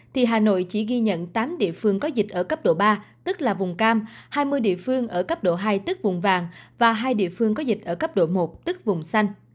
thì hà nội chỉ ghi nhận tám địa phương có dịch ở cấp độ ba tức là vùng cam hai mươi địa phương ở cấp độ hai tức vùng vàng và hai địa phương có dịch ở cấp độ một tức vùng xanh